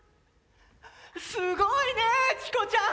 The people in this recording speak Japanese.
すごいねチコちゃん！